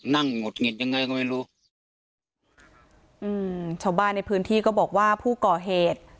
หงุดหงิดยังไงก็ไม่รู้อืมชาวบ้านในพื้นที่ก็บอกว่าผู้ก่อเหตุ